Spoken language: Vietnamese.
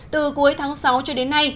từ cuối tháng sáu cho đến nay